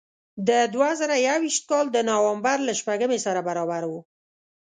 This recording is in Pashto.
د دوه زره یو ویشت کال د نوامبر له شپږمې سره برابر و.